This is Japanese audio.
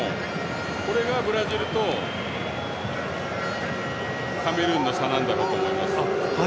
これがブラジルとカメルーンの差なんだろうと思います。